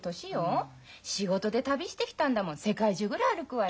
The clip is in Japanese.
仕事で旅してきたんだもん世界中ぐらい歩くわよ。